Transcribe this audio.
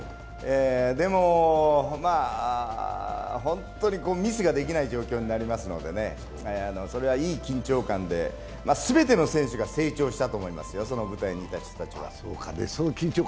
でも、本当にミスができない状況になりますのでね、それはいい緊張感で、全ての選手が成長したと思いますよ、その舞台にいた人たちは。